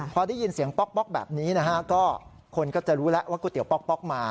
พอได้ยินเสียงป๊อกแบบนี้นะฮะก็คนก็จะรู้แล้วว่าก๋วเตี๋ป๊อกมา